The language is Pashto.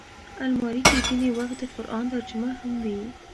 الماري کې ځینې وخت د قرآن ترجمه هم وي